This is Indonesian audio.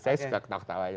saya suka ketawa ketawanya